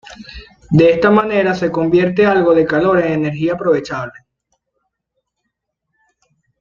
De esta manera se convierte algo del calor en energía aprovechable.